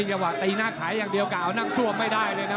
นี่กระหว่างตีหน้าขาอย่างเดียวกับเอานั่งสวมไม่ได้เลยนะ